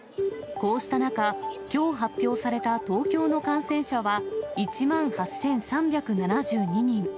こうした中、きょう発表された東京の感染者は、１万８３７２人。